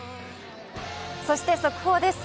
そして速報です。